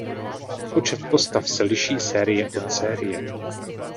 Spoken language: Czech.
Počet postav se liší sérii od série.